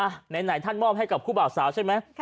ไหนท่านมอบให้กับคู่บ่าวสาวใช่ไหม